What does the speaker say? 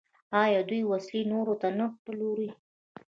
آیا دوی وسلې نورو ته نه پلوري؟